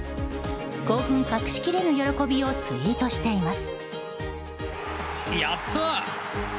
興奮隠しきれぬ喜びをツイートしています。